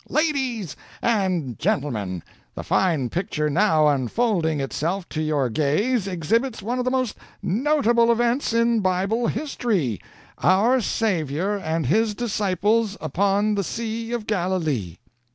"'Ladies and gentlemen, the fine picture now unfolding itself to your gaze exhibits one of the most notable events in Bible history our Saviour and His disciples upon the Sea of Galilee.